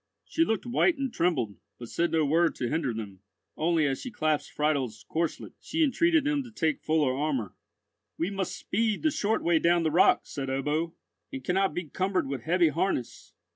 She looked white and trembled, but said no word to hinder them; only as she clasped Friedel's corslet, she entreated them to take fuller armour. "We must speed the short way down the rock," said Ebbo, "and cannot be cumbered with heavy harness.